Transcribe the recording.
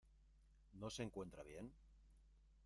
¿ no se encuentra bien?